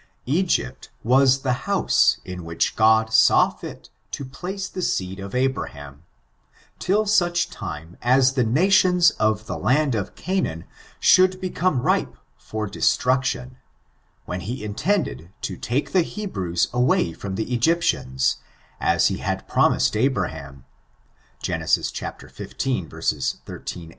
Egypt was the^ house in which God saw fit to place the seed of Abraham, till such time as the nations of the land of Canaan should become ripe for destruo tion, when he intended to take the Hebrews an^ay from the Egyptians, as he had promised Abraham; Gen. XV, 13, 14.